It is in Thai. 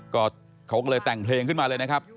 ก็เขาก็เลยแต่งเพลงขึ้นมาเลยนะครับ